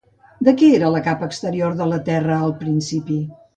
De què era la capa exterior de la terra al principi?